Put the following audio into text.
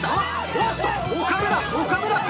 おっと岡村岡村。